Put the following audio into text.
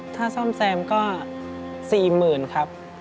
ถ้าซ่อมแซมก็๔๐๐๐ครับ